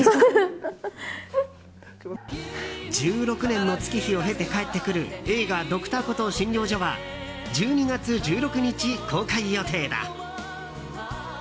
１６年の月日を経て帰ってくる映画「Ｄｒ．コトー診療所」は１２月１６日公開予定だ。